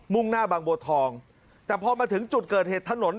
่งหน้าบางบัวทองแต่พอมาถึงจุดเกิดเหตุถนน